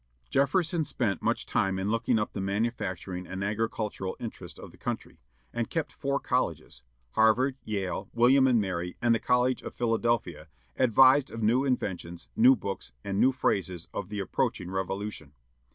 Jefferson spent much time in looking up the manufacturing and agricultural interests of the country, and kept four colleges Harvard, Yale, William and Mary, and the College of Philadelphia advised of new inventions, new books, and new phases of the approaching Revolution.